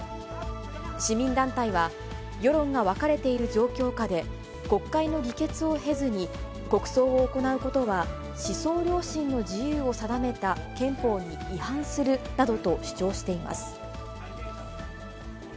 市民団体は、世論が分かれている状況下で、国会の議決を経ずに国葬を行うことは、思想良心の自由を定めた憲法に違反するなどと主張しています。